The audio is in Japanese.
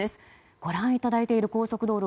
ご覧いただいている高速道路